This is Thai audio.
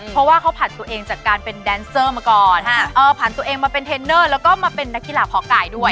เพราะว่าเขาผ่านตัวเองจากการเป็นแดนเซอร์มาก่อนผ่านตัวเองมาเป็นเทรนเนอร์แล้วก็มาเป็นนักกีฬาพอกายด้วย